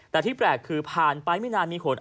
แต่ที่แปลกคือผ่านไปไม่นานมีผล